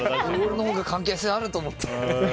俺のほうが関係性あると思って。